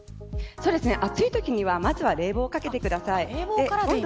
暑いときはまず冷房からかけてください。